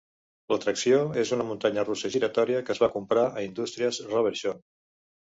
L'atracció és una muntanya russa giratòria que es va comprar a Indústries Reverchon.